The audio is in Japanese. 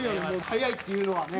速いっていうのはね。